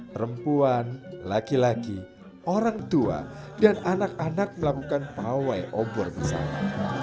perempuan laki laki orang tua dan anak anak melakukan pawai obor di sana